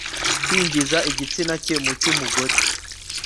kwinjiza igitsina cye mu cy'umugore